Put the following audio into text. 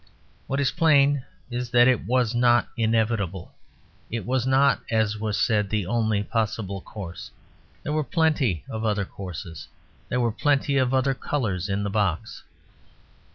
What is plain is that it was not inevitable; it was not, as was said, the only possible course; there were plenty of other courses; there were plenty of other colours in the box.